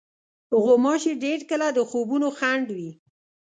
غوماشې ډېر کله د خوبونو خنډ وي.